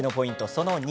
その２。